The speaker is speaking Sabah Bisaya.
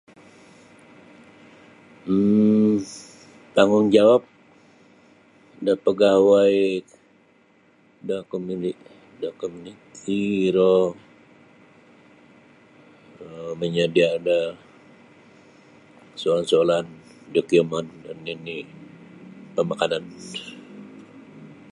um tanggungjawab da pagawai da komunit da komuniti iro um manyadia' da soalan-soalan dokumen dan nini' pamakanan.